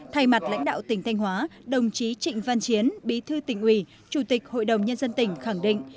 thay mặt lãnh đạo tỉnh thanh hóa đồng chí trịnh văn chiến bí thư tỉnh ủy chủ tịch hội đồng nhân dân tỉnh khẳng định